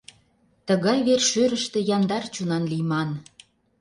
Тыгай вер-шӧрыштӧ яндар чонан лийман.